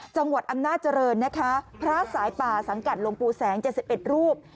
จังหวัดอำนาจริย์นะคะพระสายป่าสังกัดลงปู่แสงเจ็ดสิบเอ็ดรูป